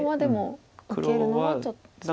黒はでも受けるのはちょっと。